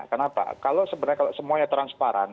kenapa kalau sebenarnya kalau semuanya transparan